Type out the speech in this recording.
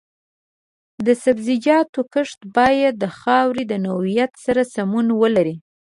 د سبزیجاتو کښت باید د خاورې د نوعیت سره سمون ولري.